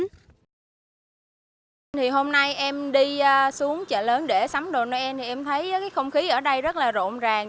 hôm nay em đi xuống chợ lớn để sắm đồ noel em thấy không khí ở đây rất rộn ràng